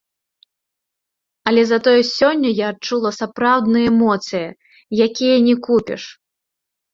Але затое сёння я адчула сапраўдныя эмоцыі, якія не купіш.